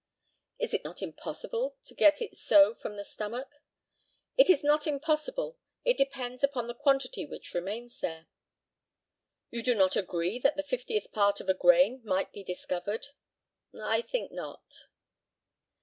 Is it not impossible to get it so from the stomach? It is not impossible; it depends upon the quantity which remains there. You do not agree that the fiftieth part of a grain might be discovered? I think not.